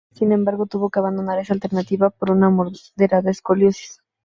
Sin embargo, tuvo que abandonar esa alternativa por una moderada escoliosis.